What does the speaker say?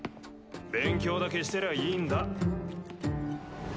勉強だけしてりゃいいんだ。